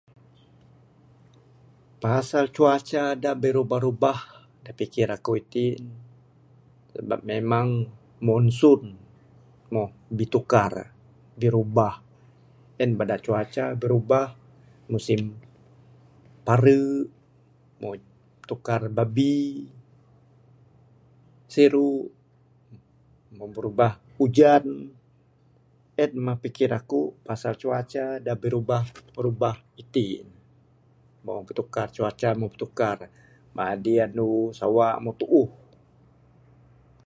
Pasal cuaca da birubah rubah da pikir aku itin...sabab memang monsoon mbuh bitukar birubah en bada cuaca birubah musim pare, mbuh tukar babi, siru, mbuh birubah ujan...en mah pikir aku pasal cuaca da birubah rubah itin... mbuh bitukar cuaca mbuh bitukar madi andu sawa mbuh tuuh.